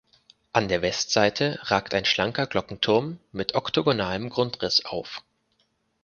An der Westseite ragt ein schlanker Glockenturm mit oktogonalem Grundriss auf.